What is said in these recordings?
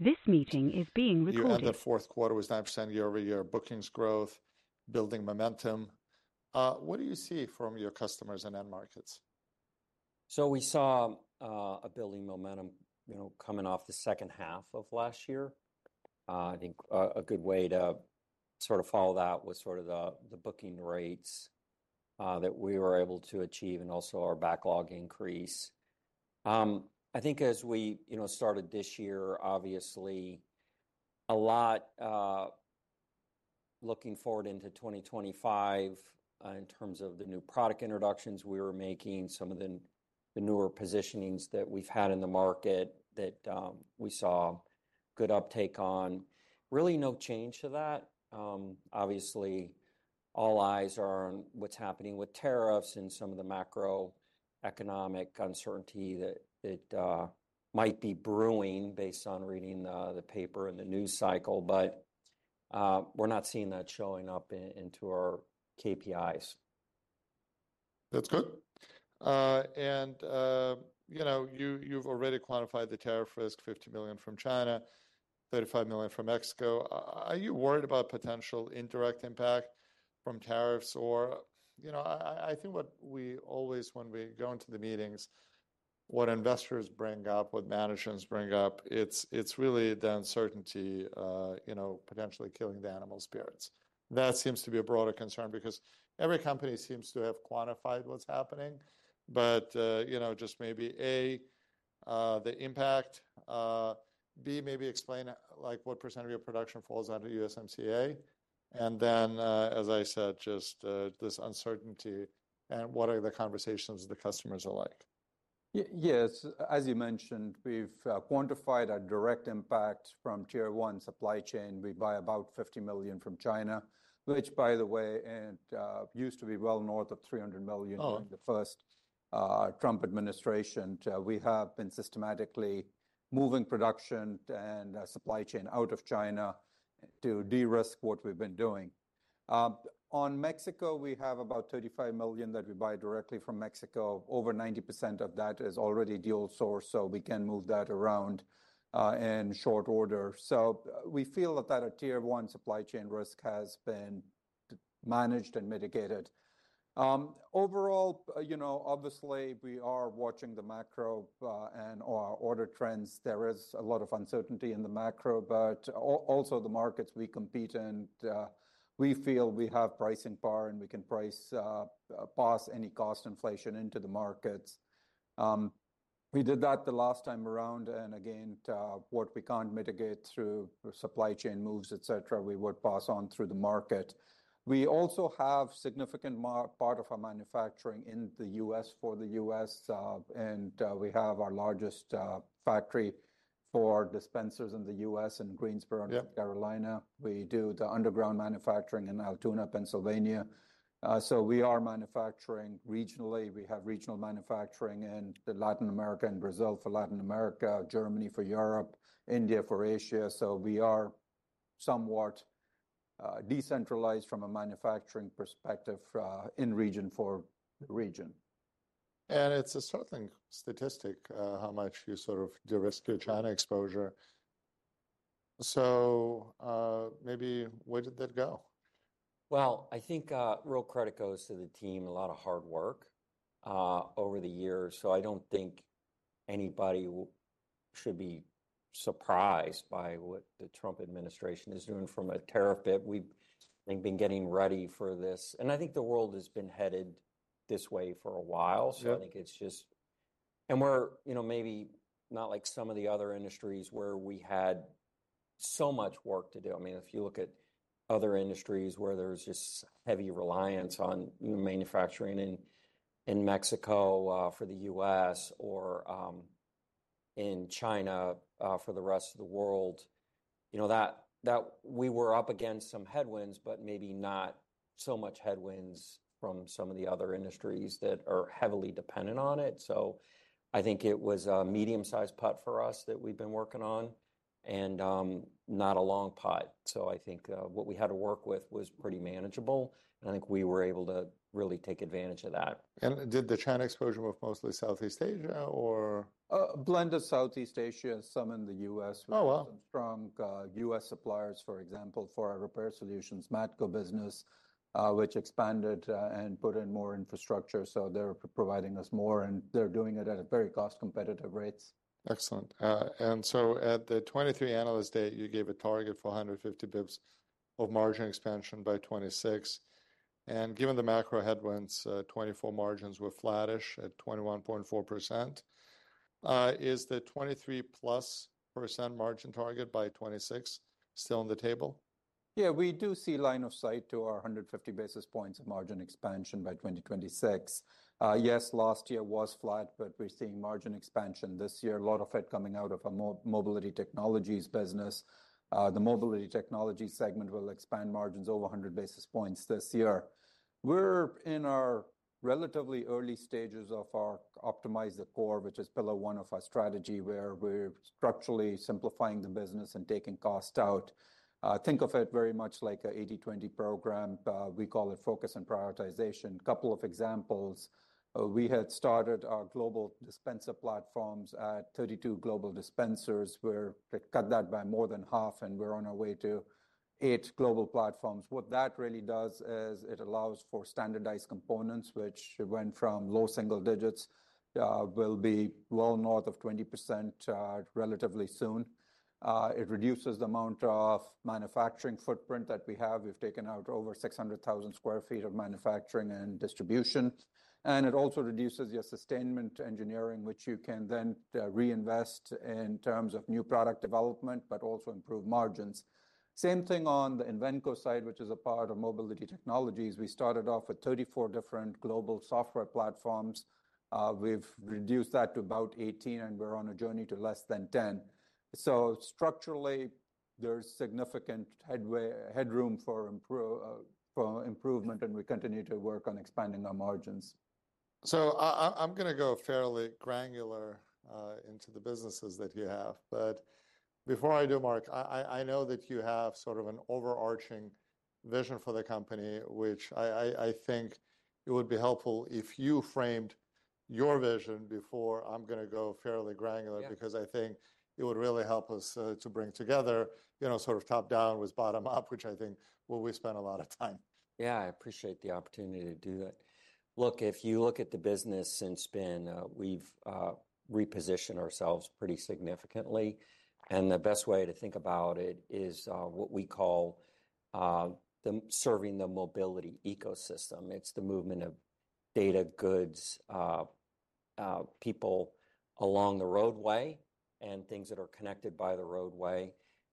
This meeting is being recorded. You know, the fourth quarter was 9% year-over-year bookings growth, building momentum. What do you see from your customers and end markets? We saw a building momentum, you know, coming off the second half of last year. I think a good way to sort of follow that was sort of the booking rates that we were able to achieve, and also our backlog increase. I think as we, you know, started this year, obviously, a lot, looking forward into 2025, in terms of the new product introductions we were making, some of the newer positionings that we've had in the market that we saw good uptake on. Really no change to that. Obviously, all eyes are on what's happening with tariffs and some of the macroeconomic uncertainty that might be brewing based on reading the paper in the news cycle. We're not seeing that showing up in our KPIs. That's good. And, you know, you've already quantified the tariff risk: $50 million from China, $35 million from Mexico. Are you worried about potential indirect impact from tariffs? Or, you know, I think what we always, when we go into the meetings, what investors bring up, what managers bring up, it's really the uncertainty, you know, potentially killing the animal spirits. That seems to be a broader concern because every company seems to have quantified what's happening. But, you know, just maybe A, the impact, B, maybe explain, like, what % of your production falls under USMCA. And then, as I said, just, this uncertainty and what are the conversations the customers are like. Yes, as you mentioned, we've quantified our direct impact from tier one supply chain. We buy about $50 million from China, which, by the way, used to be well north of $300 million. Oh. During the first Trump administration, we have been systematically moving production and supply chain out of China to de-risk what we've been doing. On Mexico, we have about $35 million that we buy directly from Mexico. Over 90% of that is already the old source, so we can move that around in short order. We feel that that tier one supply chain risk has been managed and mitigated. Overall, you know, obviously, we are watching the macro, and our order trends. There is a lot of uncertainty in the macro, also, the markets we compete in, we feel we have pricing power, and we can price, pass any cost inflation into the markets. We did that the last time around. Again, what we can't mitigate through supply chain moves, etc., we would pass on through the market. We also have a significant part of our manufacturing in the U.S. for the U.S., and we have our largest factory for dispensers in the U.S. in Greensboro. Yep. North Carolina. We do the underground manufacturing in Altoona, Pennsylvania. We are manufacturing regionally. We have regional manufacturing in Latin America and Brazil for Latin America, Germany for Europe, India for Asia. We are somewhat decentralized from a manufacturing perspective, in region for region. It's a startling statistic, how much you sort of de-risk your China exposure. Maybe where did that go? I think real credit goes to the team, a lot of hard work, over the years. I do not think anybody should be surprised by what the Trump administration is doing from a tariff bit. We have been getting ready for this. I think the world has been headed this way for a while. Yeah. I think it's just, and we're, you know, maybe not like some of the other industries where we had so much work to do. I mean, if you look at other industries where there's just heavy reliance on, you know, manufacturing in Mexico for the U.S., or in China for the rest of the world, you know, that we were up against some headwinds, but maybe not so much headwinds from some of the other industries that are heavily dependent on it. I think it was a medium-sized putt for us that we've been working on and not a long putt. I think what we had to work with was pretty manageable. I think we were able to really take advantage of that. Did the China exposure move mostly Southeast Asia or? a blend of Southeast Asia and some in the U.S. Oh, well. We have some strong U.S. suppliers, for example, for our repair solutions, Matco business, which expanded and put in more infrastructure. They are providing us more, and they are doing it at very cost-competitive rates. Excellent. At the 2023 analyst date, you gave a target for 150 basis points of margin expansion by 2026. Given the macro headwinds, 2024 margins were flattish at 21.4%. Is the 23% plus margin target by 2026 still on the table? Yeah, we do see line of sight to our 150 basis points of margin expansion by 2026. Yes, last year was flat, but we're seeing margin expansion this year. A lot of it coming out of our mobility technologies business. The mobility technology segment will expand margins over 100 basis points this year. We're in our relatively early stages of our optimize the core, which is pillar one of our strategy, where we're structurally simplifying the business and taking cost out. Think of it very much like an 80/20 program. We call it focus and prioritization. A couple of examples. We had started our global dispenser platforms at 32 global dispensers. We cut that by more than half, and we're on our way to eight global platforms. What that really does is it allows for standardized components, which went from low single digits, will be well north of 20% relatively soon. It reduces the amount of manufacturing footprint that we have. We've taken out over 600,000 square feet of manufacturing and distribution. It also reduces your sustainment engineering, which you can then reinvest in terms of new product development, but also improve margins. Same thing on the Invenco side, which is a part of mobility technologies. We started off with 34 different global software platforms. We've reduced that to about 18, and we're on a journey to less than 10. Structurally, there's significant headway, headroom for improvement, and we continue to work on expanding our margins. I'm gonna go fairly granular, into the businesses that you have. Before I do, Mark, I know that you have sort of an overarching vision for the company, which I think it would be helpful if you framed your vision before. I'm gonna go fairly granular. Yeah. Because I think it would really help us to bring together, you know, sort of top down with bottom up, which I think is where we spend a lot of time. Yeah, I appreciate the opportunity to do that. Look, if you look at the business since been, we've repositioned ourselves pretty significantly. The best way to think about it is, what we call, serving the mobility ecosystem. It's the movement of data, goods, people along the roadway and things that are connected by the roadway.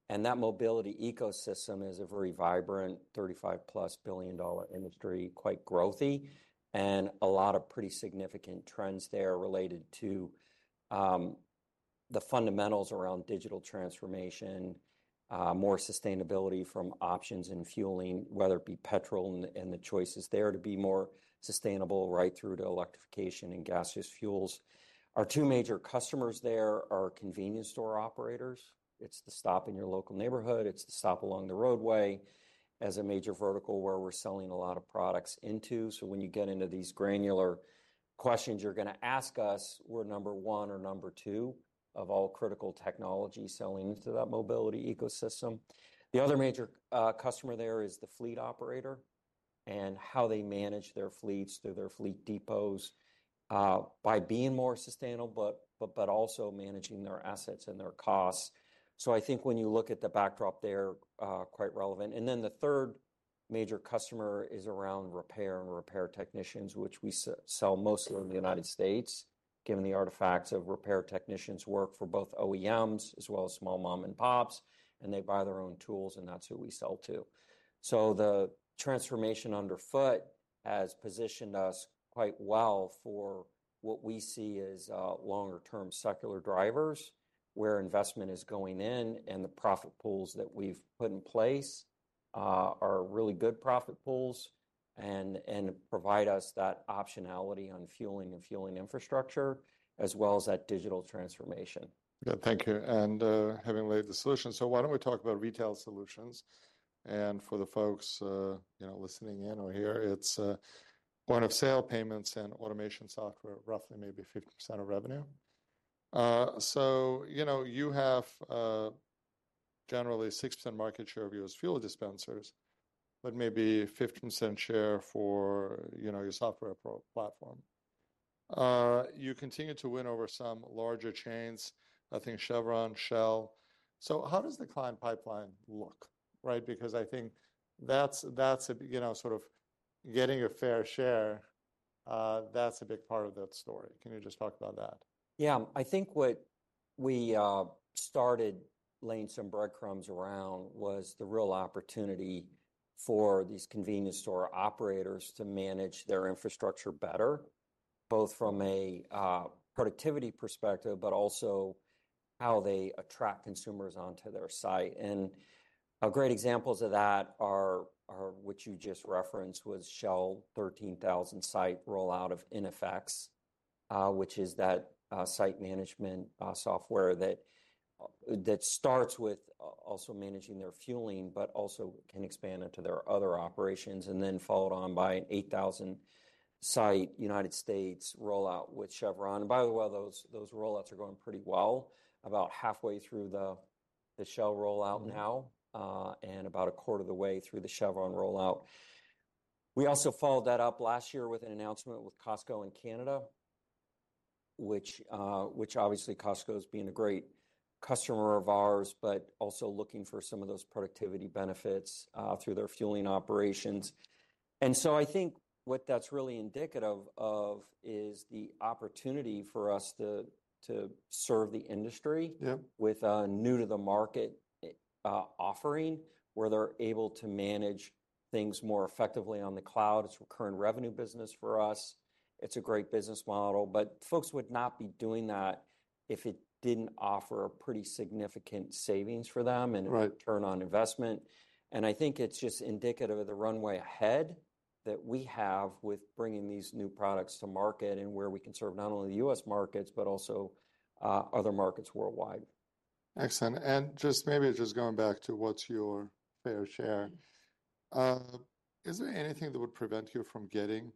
That mobility ecosystem is a very vibrant $35 billion-plus industry, quite growthy, and a lot of pretty significant trends there related to the fundamentals around digital transformation, more sustainability from options in fueling, whether it be petrol and the choices there to be more sustainable right through to electrification and gaseous fuels. Our two major customers there are convenience store operators. It's the stop in your local neighborhood. It's the stop along the roadway as a major vertical where we're selling a lot of products into. When you get into these granular questions you're gonna ask us, we're number one or number two of all critical technology selling into that mobility ecosystem. The other major customer there is the fleet operator and how they manage their fleets through their fleet depots, by being more sustainable, but also managing their assets and their costs. I think when you look at the backdrop there, quite relevant. The third major customer is around repair and repair technicians, which we sell mostly in the United States, given the artifacts of repair technicians work for both OEMs as well as small mom-and-pops, and they buy their own tools, and that's who we sell to. The transformation underfoot has positioned us quite well for what we see as longer-term secular drivers, where investment is going in and the profit pools that we've put in place are really good profit pools and provide us that optionality on fueling and fueling infrastructure as well as that digital transformation. Yeah, thank you. Having laid the solution, why don't we talk about retail solutions? For the folks, you know, listening in or here, it's point of sale payments and automation software, roughly maybe 50% of revenue. You know, you have generally 6% market share of U.S. fuel dispensers, but maybe 15% share for, you know, your software platform. You continue to win over some larger chains, I think Chevron, Shell. How does the client pipeline look, right? I think that's, that's a, you know, sort of getting a fair share. That's a big part of that story. Can you just talk about that? Yeah, I think what we started laying some breadcrumbs around was the real opportunity for these convenience store operators to manage their infrastructure better, both from a productivity perspective, but also how they attract consumers onto their site. Great examples of that are what you just referenced was Shell 13,000 site rollout of iNFX, which is that site management software that starts with also managing their fueling, but also can expand into their other operations and then followed on by an 8,000 site United States rollout with Chevron. By the way, those rollouts are going pretty well. About halfway through the Shell rollout now, and about a quarter of the way through the Chevron rollout. We also followed that up last year with an announcement with Costco in Canada, which obviously Costco's being a great customer of ours, but also looking for some of those productivity benefits through their fueling operations. I think what that's really indicative of is the opportunity for us to serve the industry. Yeah. With a new-to-the-market offering where they're able to manage things more effectively on the cloud. It's a recurrent revenue business for us. It's a great business model. Folks would not be doing that if it didn't offer pretty significant savings for them. Right. Return on investment. I think it's just indicative of the runway ahead that we have with bringing these new products to market and where we can serve not only the U.S. markets, but also other markets worldwide. Excellent. Maybe just going back to what's your fair share. Is there anything that would prevent you from getting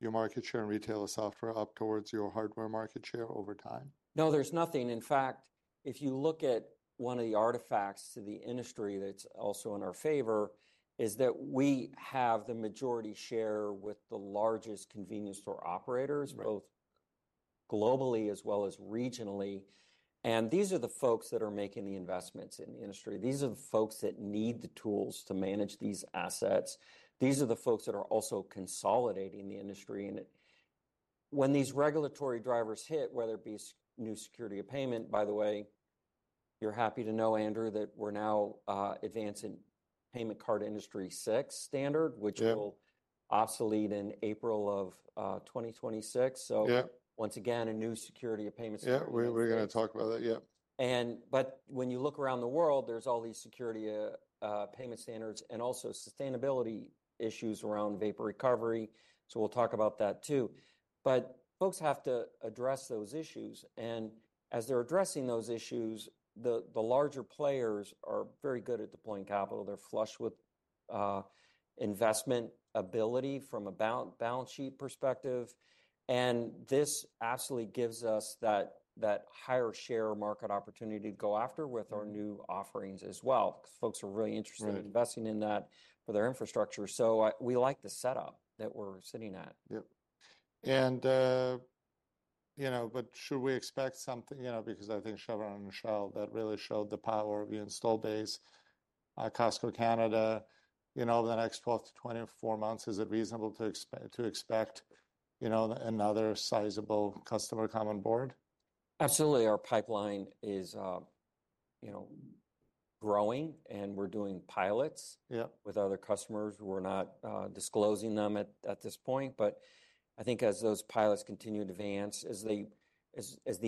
your market share in retail software up towards your hardware market share over time? No, there's nothing. In fact, if you look at one of the artifacts to the industry that's also in our favor is that we have the majority share with the largest convenience store operators. Right. Both globally as well as regionally. These are the folks that are making the investments in the industry. These are the folks that need the tools to manage these assets. These are the folks that are also consolidating the industry. When these regulatory drivers hit, whether it be new security of payment, by the way, you're happy to know, Andrew, that we're now advancing payment card industry six standard, which will. Yeah. Obsolete in April of 2026. Yeah. Once again, a new security of payments. Yeah, we're gonna talk about that. Yeah. When you look around the world, there are all these security, payment standards and also sustainability issues around vapor recovery. We will talk about that too. Folks have to address those issues. As they are addressing those issues, the larger players are very good at deploying capital. They are flush with investment ability from a balance sheet perspective. This absolutely gives us that higher share market opportunity to go after with our new offerings as well. Folks are really interested in investing in that for their infrastructure. We like the setup that we are sitting at. Yeah. You know, should we expect something, you know, because I think Chevron and Shell, that really showed the power of your install base, Costco Canada, you know, the next 12-24 months, is it reasonable to expect, you know, another sizable customer come on board? Absolutely. Our pipeline is, you know, growing, and we're doing pilots. Yeah. With other customers. We're not disclosing them at this point. I think as those pilots continue to advance, as the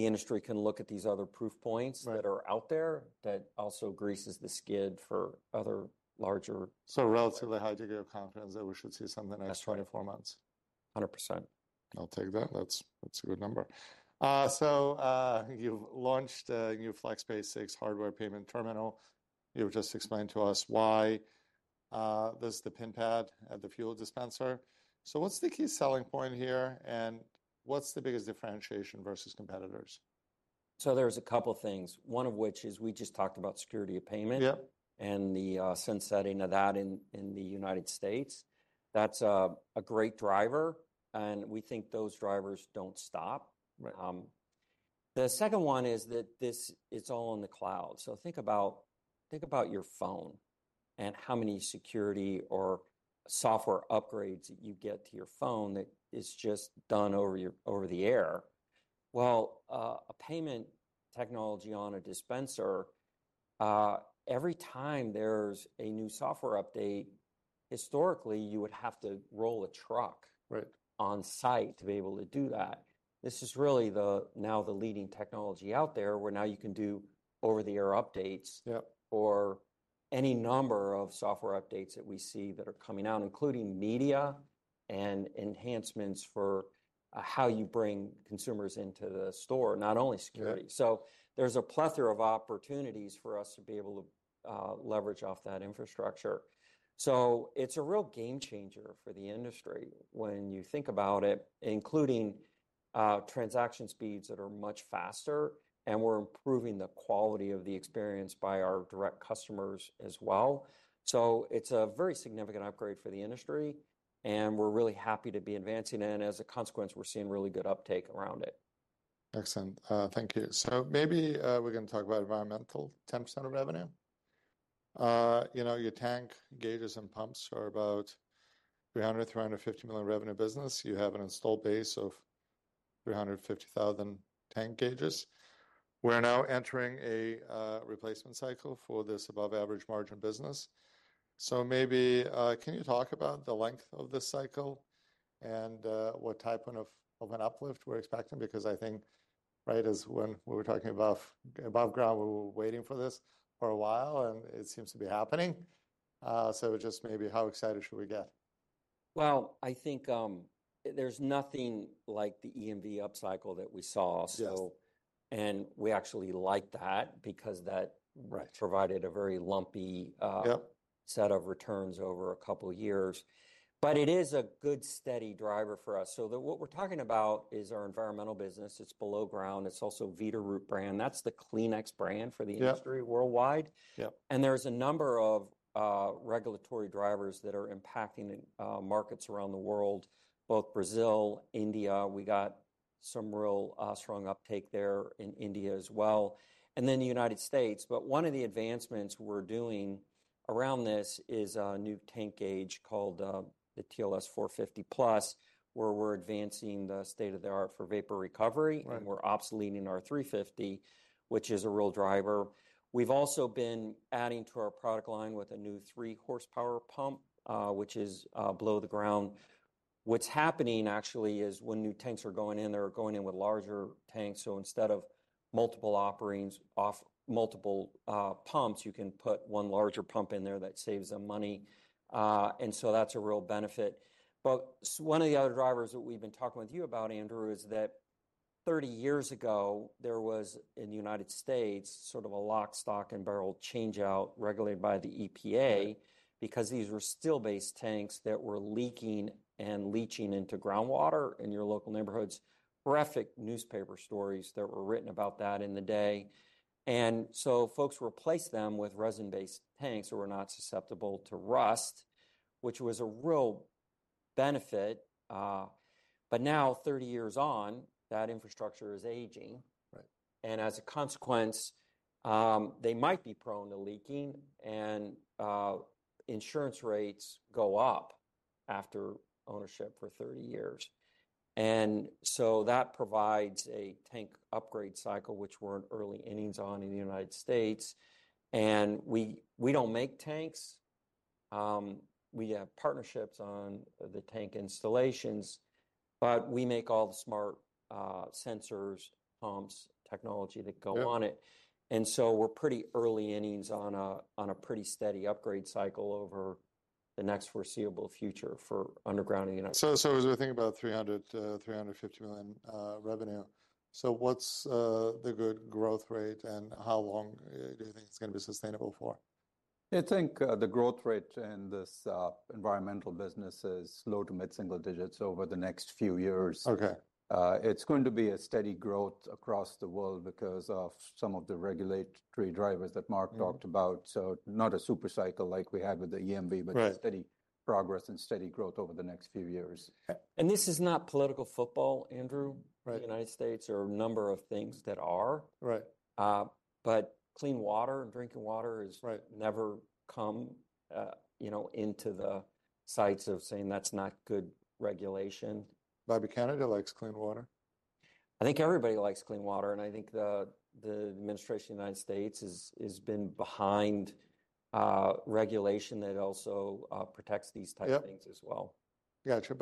industry can look at these other proof points. Right. That are out there that also greases the skid for other larger. Relatively high degree of confidence that we should see something next 24 months. 100%. I'll take that. That's a good number. You've launched a new FlexPay 6 hardware payment terminal. You've just explained to us why, this is the pin pad at the fuel dispenser. What's the key selling point here and what's the biggest differentiation versus competitors? There are a couple of things, one of which is we just talked about security of payment. Yeah. The sunsetting of that in the United States, that's a great driver, and we think those drivers don't stop. The second one is that this is all in the cloud. So think about, think about your phone and how many security or software upgrades that you get to your phone that is just done over the air. Well, a payment technology on a dispenser, every time there's a new software update, historically, you would have to roll a truck. Right. On site to be able to do that. This is really the, now the leading technology out there where now you can do over-the-air updates. Yeah. Or any number of software updates that we see that are coming out, including media and enhancements for how you bring consumers into the store, not only security. Yeah. There is a plethora of opportunities for us to be able to leverage off that infrastructure. It is a real game changer for the industry when you think about it, including transaction speeds that are much faster, and we are improving the quality of the experience by our direct customers as well. It is a very significant upgrade for the industry, and we are really happy to be advancing it. As a consequence, we are seeing really good uptake around it. Excellent. Thank you. Maybe, we're gonna talk about environmental 10% of revenue. You know, your tank gauges and pumps are about $300 million-$350 million revenue business. You have an installed base of 350,000 tank gauges. We're now entering a replacement cycle for this above-average margin business. Maybe, can you talk about the length of this cycle and what type of uplift we're expecting? Because I think, right, as when we were talking above, above ground, we were waiting for this for a while, and it seems to be happening. Just maybe how excited should we get? I think, there's nothing like the EMV upcycle that we saw. We actually liked that because that. Provided a very lumpy. Yeah. Set of returns over a couple of years. It is a good steady driver for us. What we're talking about is our environmental business. It's below ground. It's also Veeder-Root brand. That's the Kleenex brand for the industry worldwide. Yeah. There are a number of regulatory drivers that are impacting markets around the world, both Brazil and India. We got some real strong uptake there in India as well, and then the United States. One of the advancements we are doing around this is a new tank gauge called the TLS-450 Plus, where we are advancing the state of the art for vapor recovery. Right. We're obsoleting our 350, which is a real driver. We've also been adding to our product line with a new three-horsepower pump, which is below the ground. What's happening actually is when new tanks are going in, they're going in with larger tanks. Instead of multiple operatings off multiple pumps, you can put one larger pump in there that saves them money, and so that's a real benefit. One of the other drivers that we've been talking with you about, Andrew, is that 30 years ago, there was in the United States sort of a lock, stock, and barrel changeout regulated by the EPA because these were steel-based tanks that were leaking and leaching into groundwater in your local neighborhoods. Horrific newspaper stories that were written about that in the day. Folks replaced them with resin-based tanks that were not susceptible to rust, which was a real benefit. But now 30 years on, that infrastructure is aging. As a consequence, they might be prone to leaking, and insurance rates go up after ownership for 30 years. That provides a tank upgrade cycle, which we're in early innings on in the United States. We don't make tanks. We have partnerships on the tank installations, but we make all the smart sensors, pumps, technology that go on it. Yeah. We're pretty early innings on a pretty steady upgrade cycle over the next foreseeable future for underground in the United States. As we think about $300 million-$350 million revenue, what's the good growth rate and how long do you think it's gonna be sustainable for? I think the growth rate in this environmental business is low to mid-single digits over the next few years. Okay. It's going to be a steady growth across the world because of some of the regulatory drivers that Mark talked about. Not a super cycle like we had with the EMV, but. Right. A steady progress and steady growth over the next few years. This is not political football, Andrew. Right. In the United States or a number of things that are. Right. Clean water and drinking water is. Right. Never come, you know, into the sights of saying that's not good regulation. Bobby, Canada likes clean water. I think everybody likes clean water. I think the administration of the United States has been behind regulation that also protects these type. Yeah. Of things as well. Gotcha.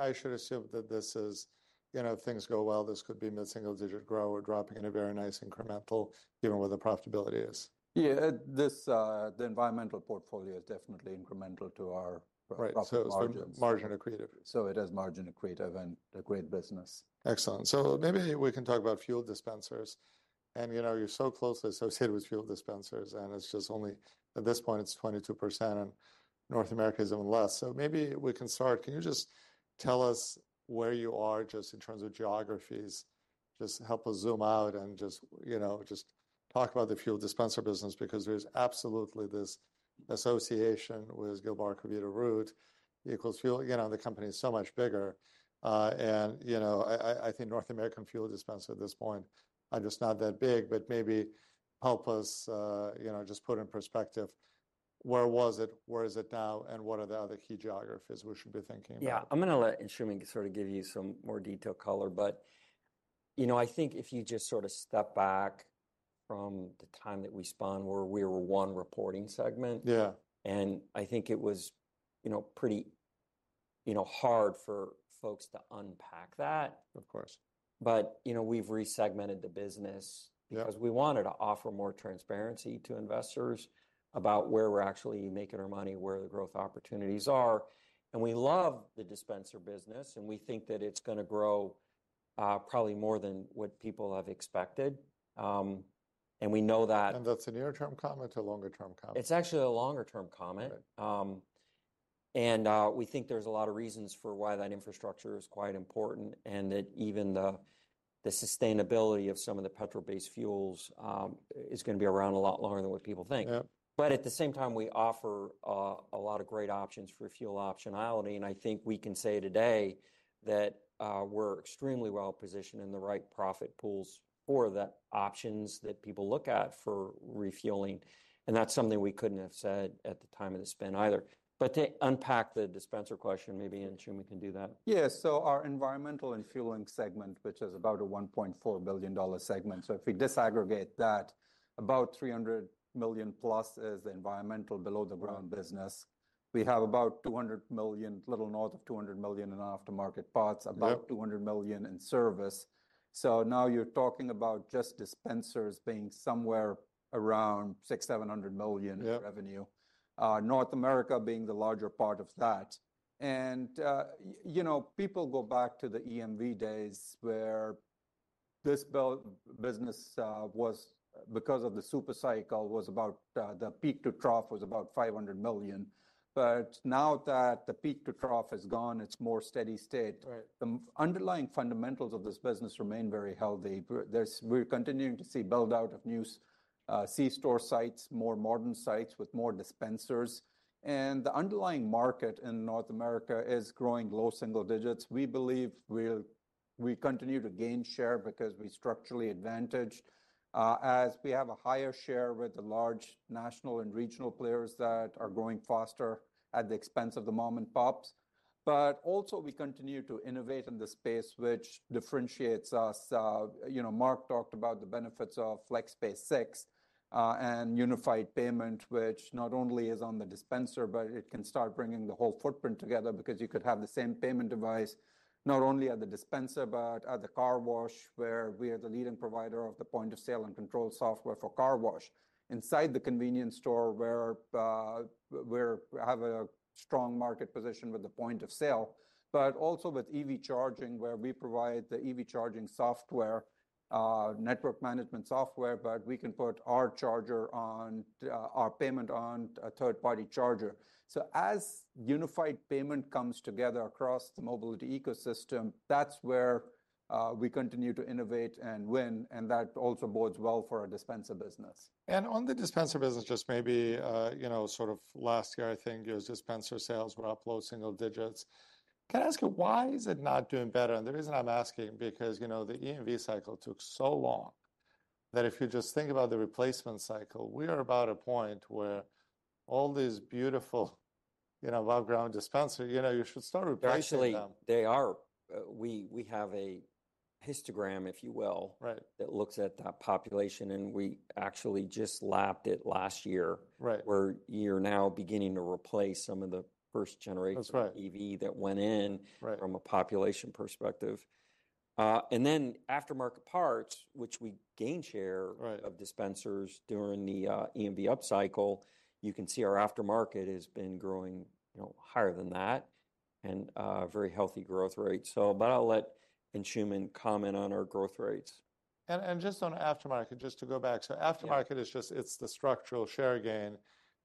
I should assume that this is, you know, things go well, this could be mid-single digit grow or dropping in a very nice incremental given where the profitability is. Yeah. This, the environmental portfolio is definitely incremental to our profit margins. Right. So it's margin accretive. It has margin accretive and a great business. Excellent. Maybe we can talk about fuel dispensers. You know, you're so closely associated with fuel dispensers, and at this point, it's 22%, and North America is even less. Maybe we can start. Can you just tell us where you are in terms of geographies? Help us zoom out and just, you know, talk about the fuel dispenser business because there's absolutely this association with Gilbarco Veeder-Root equals fuel, you know, the company is so much bigger. You know, I think North American fuel dispenser at this point is just not that big, but maybe help us, you know, put it in perspective. Where was it? Where is it now? And what are the other key geographies we should be thinking about? Yeah. I'm gonna let Anshooman sort of give you some more detail color. But, you know, I think if you just sort of step back from the time that we spun where we were one reporting segment. Yeah. I think it was, you know, pretty, you know, hard for folks to unpack that. Of course. You know, we've resegmented the business. Yeah. Because we wanted to offer more transparency to investors about where we're actually making our money, where the growth opportunities are. We love the dispenser business, and we think that it's gonna grow, probably more than what people have expected. And we know that. Is that a near-term comment or longer-term comment? It's actually a longer-term comment. Right. We think there's a lot of reasons for why that infrastructure is quite important and that even the sustainability of some of the petrol-based fuels is gonna be around a lot longer than what people think. Yeah. At the same time, we offer a lot of great options for fuel optionality. I think we can say today that we're extremely well positioned in the right profit pools for the options that people look at for refueling. That's something we couldn't have said at the time of the spin either. To unpack the dispenser question, maybe Anshooman can do that. Yeah. Our environmental and fueling segment, which is about a $1.4 billion segment. If we disaggregate that, about $300 million plus is the environmental below the ground business. We have about $200 million, a little north of $200 million in aftermarket parts. Yeah. About $200 million in service. Now you're talking about just dispensers being somewhere around $600 million-$700 million. Yeah. Of revenue. North America being the larger part of that. You know, people go back to the EMV days where this business was because of the super cycle was about, the peak to trough was about $500 million. Now that the peak to trough is gone, it's more steady state. Right. The underlying fundamentals of this business remain very healthy. We're continuing to see buildout of new C store sites, more modern sites with more dispensers. The underlying market in North America is growing low single digits. We believe we continue to gain share because we are structurally advantaged, as we have a higher share with the large national and regional players that are growing faster at the expense of the mom and pops. We continue to innovate in the space, which differentiates us. You know, Mark talked about the benefits of FlexBase 6, and unified payment, which not only is on the dispenser, but it can start bringing the whole footprint together because you could have the same payment device not only at the dispenser, but at the car wash where we are the leading provider of the point of sale and control software for car wash, inside the convenience store where we have a strong market position with the point of sale, but also with EV charging where we provide the EV charging software, network management software, but we can put our payment on a third-party charger. As unified payment comes together across the mobility ecosystem, that is where we continue to innovate and win. That also bodes well for our dispenser business. On the dispenser business, just maybe, you know, sort of last year, I think your dispenser sales were up low single digits. Can I ask you, why is it not doing better? The reason I'm asking, because, you know, the EMV cycle took so long that if you just think about the replacement cycle, we are about a point where all these beautiful, you know, above ground dispensers, you know, you should start replacing them. Actually, they are. We have a histogram, if you will. Right. That looks at that population. We actually just lapped it last year. Right. Where you're now beginning to replace some of the first generation. That's right. EV that went in. Right. From a population perspective, and then aftermarket parts, which we gained share. Right. Of dispensers during the EMV upcycle, you can see our aftermarket has been growing, you know, higher than that and very healthy growth rate. I'll let Anshooman comment on our growth rates. Just on aftermarket, just to go back. Aftermarket is just, it's the structural share gain,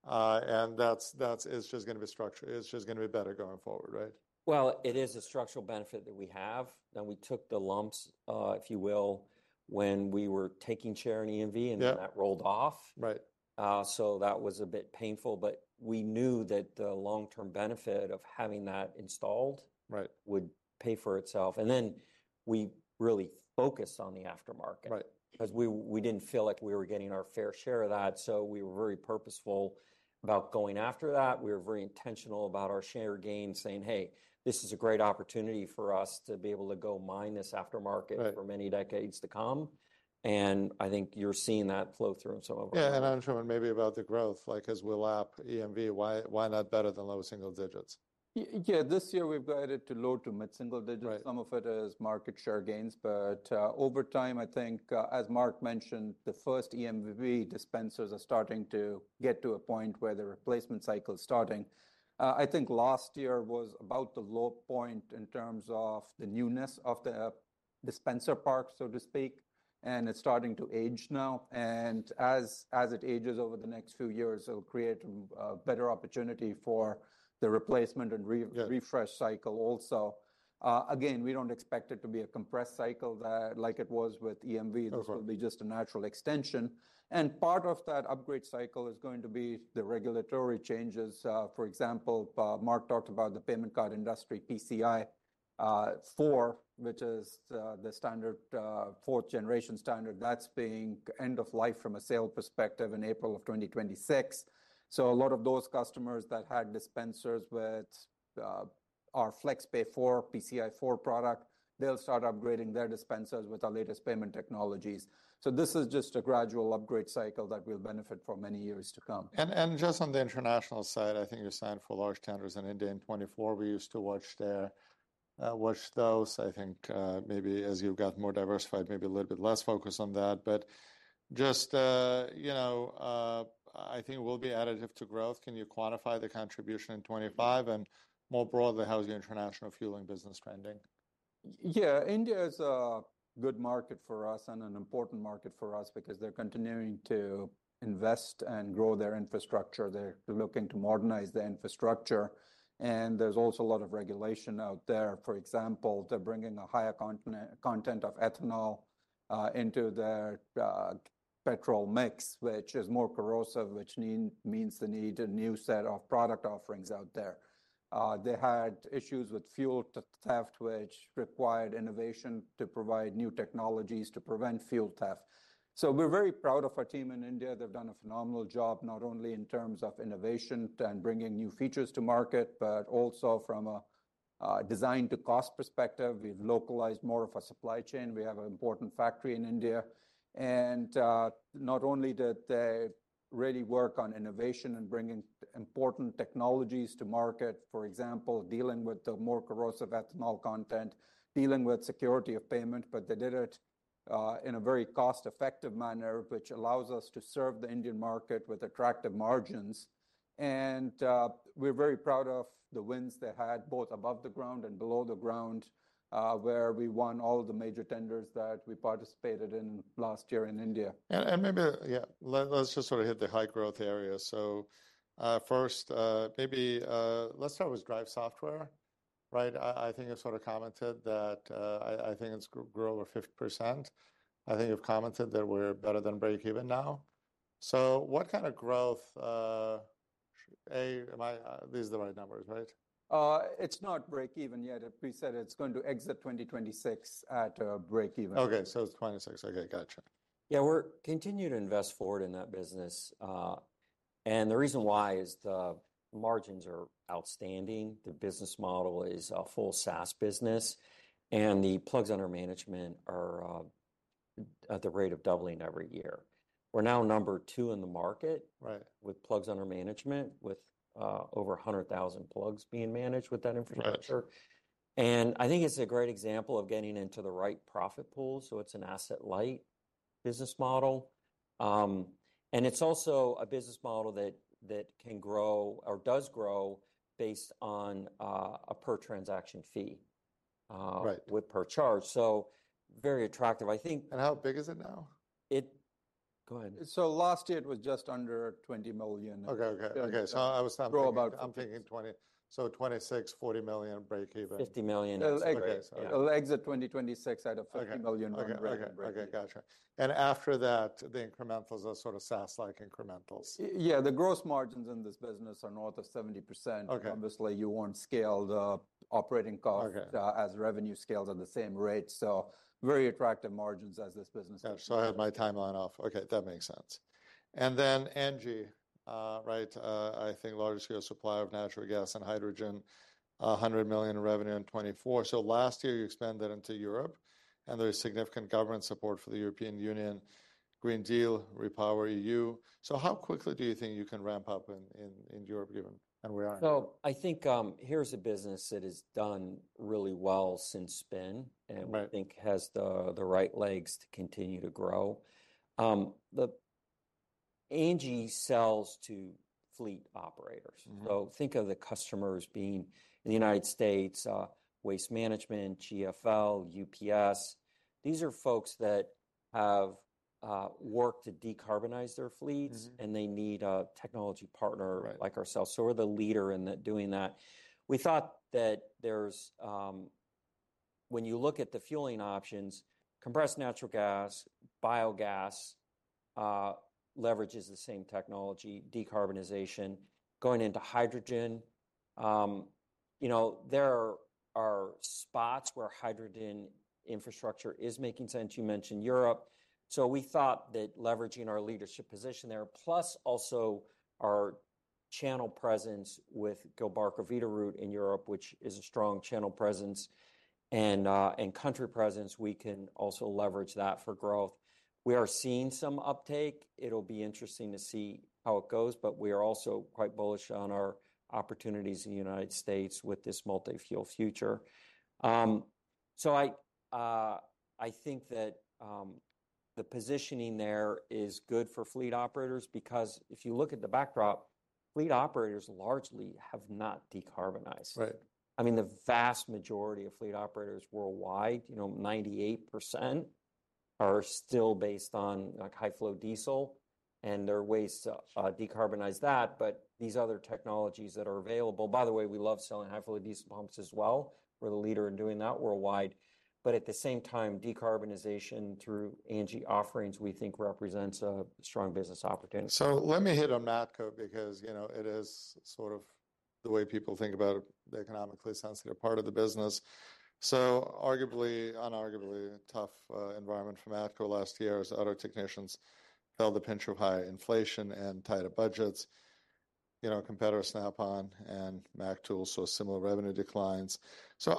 and that's, that's, it's just gonna be structural, it's just gonna be better going forward, right? It is a structural benefit that we have. And we took the lumps, if you will, when we were taking share in EMV. Yeah. That rolled off. Right. That was a bit painful, but we knew that the long-term benefit of having that installed. Right. Would pay for itself. We really focused on the aftermarket. Right. We did not feel like we were getting our fair share of that. We were very purposeful about going after that. We were very intentional about our share gain, saying, "Hey, this is a great opportunity for us to be able to go mine this aftermarket. Right. For many decades to come. I think you're seeing that flow through in some of our business. Yeah. Anshooman, maybe about the growth, like as we lap EMV, why, why not better than low single digits? Yeah. This year we've guided it to low to mid-single digits. Right. Some of it is market share gains. Over time, I think, as Mark mentioned, the first EMV dispensers are starting to get to a point where the replacement cycle is starting. I think last year was about the low point in terms of the newness of the dispenser park, so to speak. It's starting to age now. As it ages over the next few years, it'll create a better opportunity for the replacement and refresh cycle also. Again, we don't expect it to be a compressed cycle like it was with EMV. Okay. This will be just a natural extension. Part of that upgrade cycle is going to be the regulatory changes. For example, Mark talked about the Payment Card Industry PCI 4, which is the standard, fourth generation standard that's being end of life from a sale perspective in April of 2026. A lot of those customers that had dispensers with our FlexPay 4 PCI 4 product, they'll start upgrading their dispensers with our latest payment technologies. This is just a gradual upgrade cycle that will benefit for many years to come. Just on the international side, I think you're signed for large tenders in India in 2024. We used to watch there, watch those. I think, maybe as you've got more diversified, maybe a little bit less focus on that. But just, you know, I think we'll be additive to growth. Can you quantify the contribution in 2025? And more broadly, how's your international fueling business trending? Yeah. India is a good market for us and an important market for us because they're continuing to invest and grow their infrastructure. They're looking to modernize their infrastructure. There is also a lot of regulation out there. For example, they're bringing a higher content of ethanol into their petrol mix, which is more corrosive, which means they need a new set of product offerings out there. They had issues with fuel theft, which required innovation to provide new technologies to prevent fuel theft. We are very proud of our team in India. They've done a phenomenal job, not only in terms of innovation and bringing new features to market, but also from a design to cost perspective. We've localized more of our supply chain. We have an important factory in India. Not only did they really work on innovation and bringing important technologies to market, for example, dealing with the more corrosive ethanol content, dealing with security of payment, but they did it in a very cost-effective manner, which allows us to serve the Indian market with attractive margins. We are very proud of the wins they had both above the ground and below the ground, where we won all the major tenders that we participated in last year in India. Yeah, let's just sort of hit the high growth areas. First, maybe, let's start with Driivz software, right? I think you sort of commented that, I think it's grown over 50%. I think you've commented that we're better than break-even now. What kind of growth, A, am I, these are the right numbers, right? It's not break-even yet. We said it's going to exit 2026 at a break-even. Okay. So it's '26. Okay. Gotcha. Yeah. We're continuing to invest forward in that business, and the reason why is the margins are outstanding. The business model is a full SaaS business, and the plugs under management are at the rate of doubling every year. We're now number two in the market. Right. With plugs under management, with over 100,000 plugs being managed with that infrastructure. Right. I think it's a great example of getting into the right profit pool. It's an asset-light business model, and it's also a business model that can grow or does grow based on a per transaction fee. Right. With per charge. Very attractive, I think. How big is it now? Go ahead. Last year it was just under $20 million. Okay. Okay. I was thinking. Grow about. I'm thinking 20, so 26, 40 million break-even. $50 million exit. It'll exit 2026 at a $50 million break-even. Okay. Okay. Okay. Gotcha. After that, the incrementals are sort of SaaS-like incrementals? Yeah. The gross margins in this business are north of 70%. Okay. Obviously, you won't scale the operating cost. Okay. As revenue scales at the same rate. Very attractive margins as this business. Gotcha. I have my timeline off. Okay. That makes sense. ANGI, right? I think large-scale supply of natural gas and hydrogen, $100 million revenue in 2024. Last year you expanded into Europe, and there's significant government support for the European Union, Green Deal, REPowerEU. How quickly do you think you can ramp up in Europe given. We are in Europe? I think, here's a business that has done really well since spin. Right. I think has the, the right legs to continue to grow. The ANGI sells to fleet operators. Mm-hmm. Think of the customers being in the United States, Waste Management, GFL, UPS. These are folks that have worked to decarbonize their fleets. Mm-hmm. They need a technology partner. Right. Like ourselves. We are the leader in that, doing that. We thought that there's, when you look at the fueling options, compressed natural gas, biogas, leverages the same technology, decarbonization, going into hydrogen. You know, there are spots where hydrogen infrastructure is making sense. You mentioned Europe. We thought that leveraging our leadership position there, plus also our channel presence with Gilbarco Veeder-Root in Europe, which is a strong channel presence and country presence, we can also leverage that for growth. We are seeing some uptake. It'll be interesting to see how it goes, but we are also quite bullish on our opportunities in the United States with this multi-fuel future. I think that the positioning there is good for fleet operators because if you look at the backdrop, fleet operators largely have not decarbonized. Right. I mean, the vast majority of fleet operators worldwide, you know, 98% are still based on, like, high-flow diesel, and there are ways to decarbonize that. These other technologies that are available, by the way, we love selling high-flow diesel pumps as well. We're the leader in doing that worldwide. At the same time, decarbonization through NG offerings, we think represents a strong business opportunity. Let me hit on Matco because, you know, it is sort of the way people think about the economically sensitive part of the business. Arguably, unarguably tough environment for Matco last year as auto technicians felt the pinch of high inflation and tighter budgets. You know, competitor Snap-on and Mac Tool saw similar revenue declines.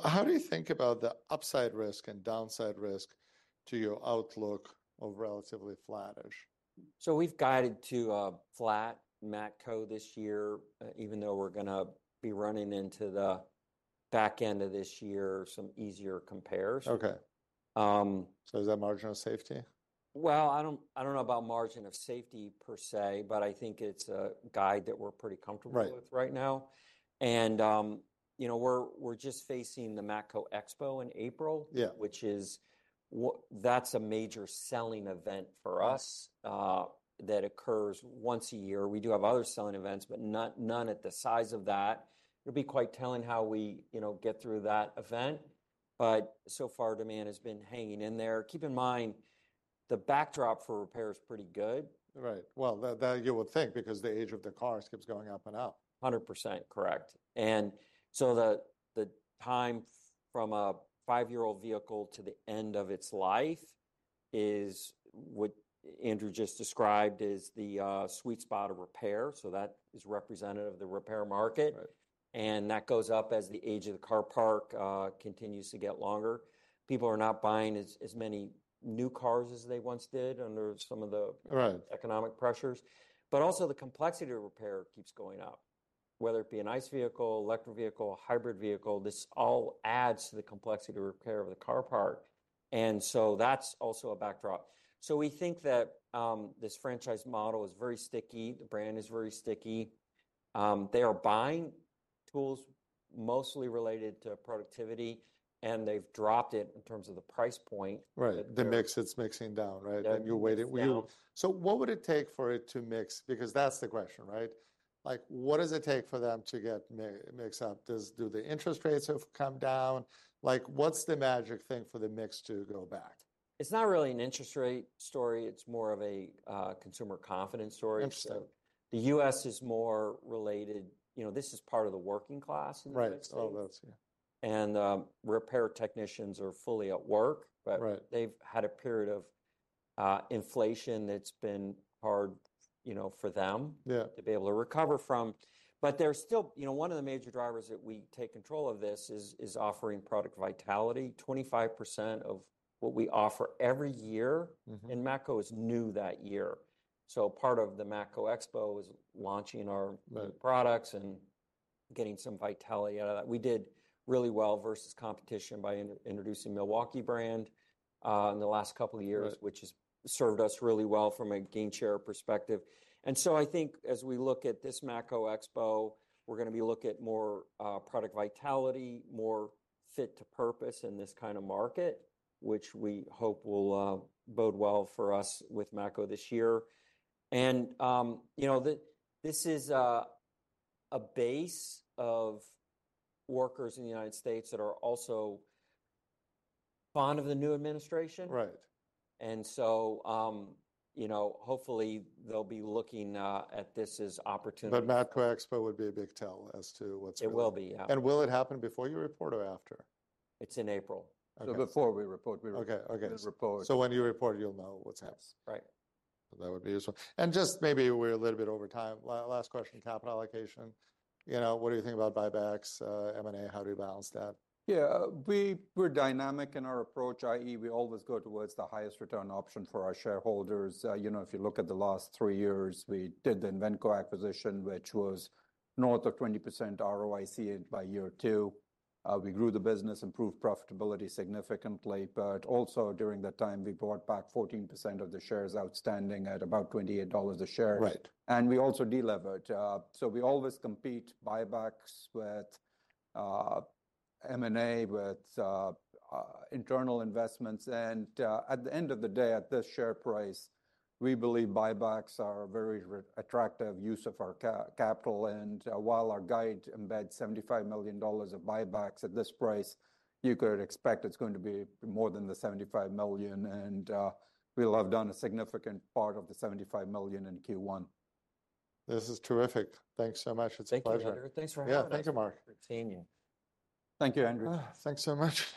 How do you think about the upside risk and downside risk to your outlook of relatively flattish? We have guided to a flat Matco this year, even though we're gonna be running into the back end of this year, some easier compares. Okay. Is that margin of safety? I don't know about margin of safety per se, but I think it's a guide that we're pretty comfortable with right now. Right. You know, we're just facing the Matco Expo in April. Yeah. Which is, what, that's a major selling event for us, that occurs once a year. We do have other selling events, but none at the size of that. It will be quite telling how we, you know, get through that event. So far, demand has been hanging in there. Keep in mind, the backdrop for repair is pretty good. Right. That you would think because the age of the cars keeps going up and up. 100% correct. The time from a five-year-old vehicle to the end of its life is what Andrew just described as the sweet spot of repair. That is representative of the repair market. Right. That goes up as the age of the car park continues to get longer. People are not buying as many new cars as they once did under some of the. Right. Economic pressures. Also, the complexity of repair keeps going up, whether it be an ICE vehicle, electric vehicle, hybrid vehicle. This all adds to the complexity of repair of the car park. That is also a backdrop. We think that this franchise model is very sticky. The brand is very sticky. They are buying tools mostly related to productivity, and they've dropped it in terms of the price point. Right. The mix, it's mixing down, right? Yeah. You're waiting for you. What would it take for it to mix? Because that's the question, right? Like, what does it take for them to get mix up? Does the interest rates have to come down? Like, what's the magic thing for the mix to go back? It's not really an interest rate story. It's more of a consumer confidence story. Interesting. The U.S. is more related, you know, this is part of the working class in the midst of. Right. All those, yeah. Repair technicians are fully at work. Right. They've had a period of, inflation that's been hard, you know, for them. Yeah. To be able to recover from. There's still, you know, one of the major drivers that we take control of this is offering product vitality. 25% of what we offer every year. Mm-hmm. Matco is new that year. Part of the Matco Expo is launching our. Right. Products and getting some vitality out of that. We did really well versus competition by introducing Milwaukee brand, in the last couple of years. Right. Which has served us really well from a game share perspective. I think as we look at this Matco Expo, we're gonna be looking at more product vitality, more fit to purpose in this kind of market, which we hope will bode well for us with Matco this year. You know, this is a base of workers in the United States that are also fond of the new administration. Right. You know, hopefully they'll be looking at this as opportunity. Matco Expo would be a big tell as to what's going on. It will be, yeah. Will it happen before you report or after? It's in April. Okay. Before we report, we report. Okay. Okay. The report. When you report, you'll know what's happening. Right. That would be useful. And just maybe we're a little bit over time. Last question, capital allocation. You know, what do you think about buybacks, M&A? How do you balance that? Yeah. We were dynamic in our approach, i.e., we always go towards the highest return option for our shareholders. You know, if you look at the last three years, we did the Invenco acquisition, which was north of 20% ROIC by year two. We grew the business, improved profitability significantly, but also during that time, we brought back 14% of the shares outstanding at about $28 a share. Right. We also deleveraged. We always compete buybacks with M&A, with internal investments. At the end of the day, at this share price, we believe buybacks are a very attractive use of our capital. While our guide embeds $75 million of buybacks at this price, you could expect it is going to be more than the $75 million. We will have done a significant part of the $75 million in Q1. This is terrific. Thanks so much. It's a pleasure. Thank you, Andrew. Thanks for having us. Yeah. Thank you, Mark. Good seeing you. Thank you, Andrew. Thanks so much.